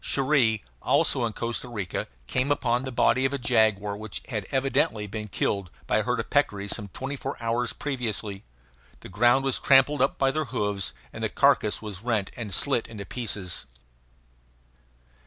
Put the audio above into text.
Cherrie, also in Costa Rica, came on the body of a jaguar which had evidently been killed by a herd of peccaries some twenty four hours previously. The ground was trampled up by their hoofs, and the carcass was rent and slit into pieces.